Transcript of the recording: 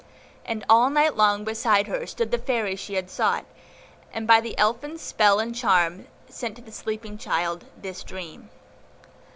And all night long beside her stood the Fairy she had sought, and by elfin spell and charm sent to the sleeping child this dream.